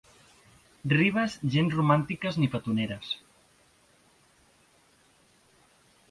Ribes gens romàntiques ni petoneres.